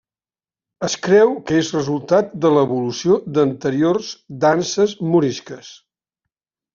Es creu que és resultat de l'evolució d'anteriors danses morisques.